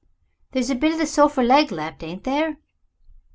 There's a bit of the sofer leg left, ain't there?"